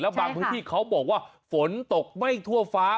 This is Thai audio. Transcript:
บางพื้นที่เขาบอกว่าฝนตกไม่ทั่วฟ้า